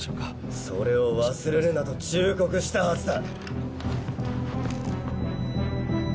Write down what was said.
それを忘れるなと忠告したはずだ。